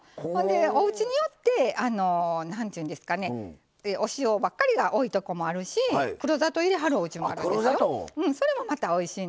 おうちによってお塩ばっかりが多いとこもあるし黒砂糖を入れはるおうちもあるんですよ。